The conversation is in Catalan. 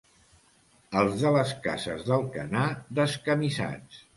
Els de les Cases d'Alcanar, descamisats.